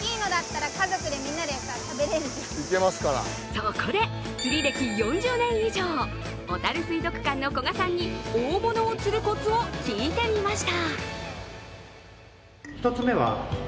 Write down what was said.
そこで、釣り歴４０年以上、おたる水族館の古賀さんに大物を釣るコツを聞いてみました。